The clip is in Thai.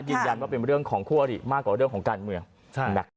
ยืนยันว่าเป็นเรื่องของคู่อริมากกว่าเรื่องของการเมือง